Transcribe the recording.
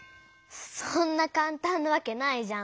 そんなかんたんなわけないじゃん。